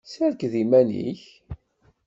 Serked iman-ik!